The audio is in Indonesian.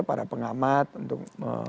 para pengamat untuk